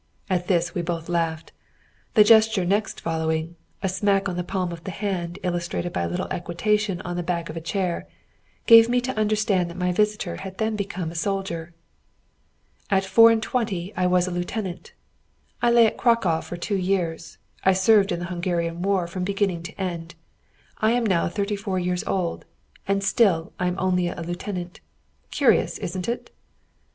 At this we both laughed. The gesture next following a smack on the palm of the hand illustrated by a little equitation on the back of a chair gave me to understand that my visitor had then become a soldier. "At four and twenty I was a lieutenant. I lay at Cracow for two years. I served in the Hungarian war from beginning to end. I am now thirty four years old. And still I am only a lieutenant. Curious, isn't it?"